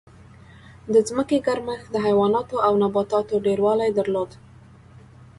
د ځمکې ګرمښت د حیواناتو او نباتاتو ډېروالی درلود.